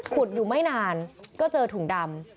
อยู่ไม่นานก็เจอถุงดำ